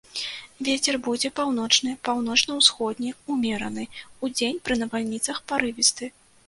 Вецер будзе паўночны, паўночна-ўсходні ўмераны, удзень пры навальніцах парывісты.